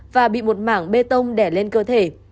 và bị một mảng bê tông đẻ lên cơ thể